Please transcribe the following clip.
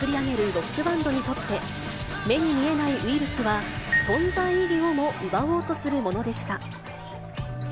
ロックバンドにとって、目に見えないウイルスは存在意義をも奪おうとするものでした。